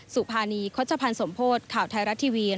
สุภานีคสมโพธข่าวไทยรัตน์ทีวี